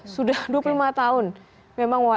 sudah dua puluh lima tahun memang